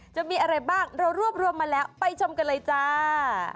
จะมีอะไรบ้างเรารวบรวมมาแล้วไปชมกันเลยจ้า